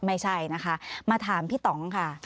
ไม่ใช่นะคะมาถามพี่ต่องค่ะ